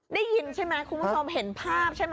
ได้ยินใช่ไหมคุณผู้ชมเห็นภาพใช่ไหม